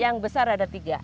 yang besar ada tiga